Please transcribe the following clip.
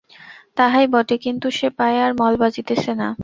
তাহাই বটে, কিন্তু সে পায়ে আর মল বাজিতেছে না।